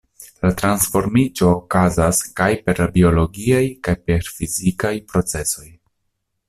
La transformiĝo okazas kaj per biologiaj kaj per fizikaj procezoj.